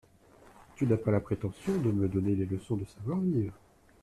Tu n'as pas la prétention de me donner les leçons de savoir-vivre ?